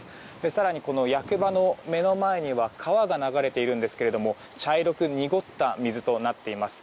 更に、役場の目の前には川が流れているんですけれども茶色く濁った水となっています。